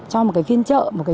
cho một cái phiên chợ